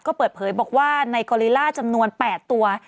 ก็เปิดเผยบอกว่าในกอลิล่าจำนวน๘ตัว